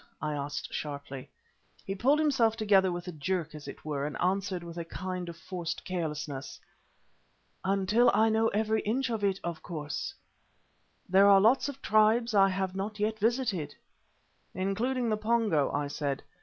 I asked, sharply. He pulled himself together with a jerk, as it were, and answered with a kind of forced carelessness. "Until I know every inch of it, of course. There are lots of tribes I have not yet visited." "Including the Pongo," I said.